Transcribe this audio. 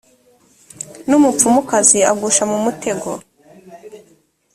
na umupfumukazi ugusha mu mutego